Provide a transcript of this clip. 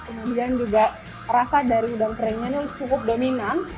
kemudian juga rasa dari udang keringnya ini cukup dominan